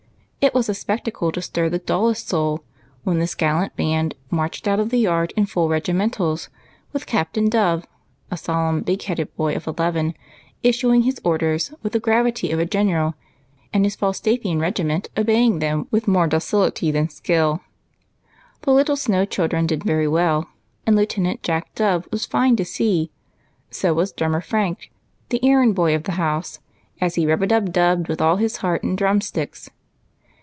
It was a sj^ectacle to stir the dullest soul when this gallant band marched out of the yard in full regimen tals, with Ca])tain Dove — a solemn, big headed boy of eleven — issuing his orders with the gravity of a general, and his Falstaffian regiment obeying them with more d;;cility than skill. The little Snow chil dren did very well, and Lieutenant Jack Dove was fine to see ; so was Drummer Frank, the errand boy of the house, as he rub a dub dubbed with all his heart and drumsticks.